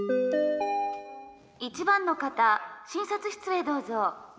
「１番の方診察室へどうぞ」。